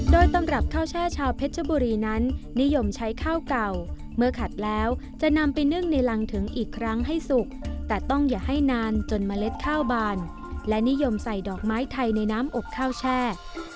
โดยตำรับข้าวแช่ชาวเพชรบุรีนั้นนิยมใช้ข้าวเก่าเมื่อขัดแล้วจะนำไปนึ่งในรังถึงอีกครั้งให้สุกแต่ต้องอย่าให้นานจนเมล็ดข้าวบานและนิยมใส่ดอกไม้ไทยในน้ำอบข้าวแช่